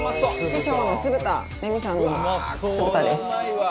師匠の酢豚レミさんの酢豚です。